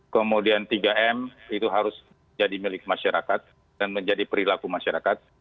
kemudian tiga m itu harus jadi milik masyarakat dan menjadi perilaku masyarakat